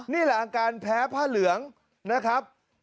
นี่แหละอาการแพ้ผ้าเหลืองนะครับ